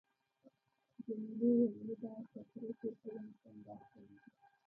جميلې وويل:: زه به چترۍ پورته ونیسم، باد چلېږي.